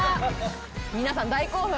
皆さん大興奮。